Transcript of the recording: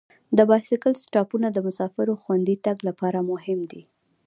د بایسکل سټاپونه د مسافرو خوندي تګ لپاره مهم دي.